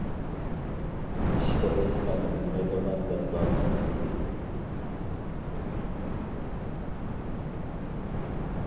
ئىش قىلىپ مەن بىلمەيدىغان ياتلا ئىسىم ئىدى.